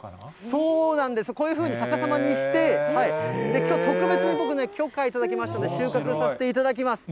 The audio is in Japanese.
そうなんです、こういうふうに逆さまにして、きょう、特別に僕、許可いただきまして、収穫させていただきます。